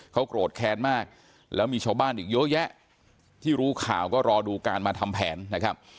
เขาโกรธแค้นมากแล้วมีชาวบ้านอีกเยอะแยะที่รู้ข่าวก็รอดูการมาทำแผนนะครับ